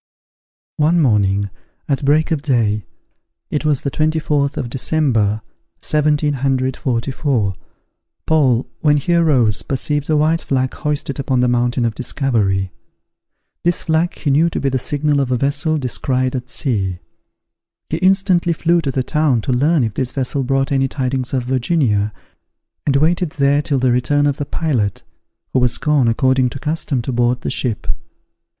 One morning, at break of day, (it was the 24th of December, 1744,) Paul, when he arose, perceived a white flag hoisted upon the Mountain of Discovery. This flag he knew to be the signal of a vessel descried at sea. He instantly flew to the town to learn if this vessel brought any tidings of Virginia, and waited there till the return of the pilot, who was gone, according to custom, to board the ship.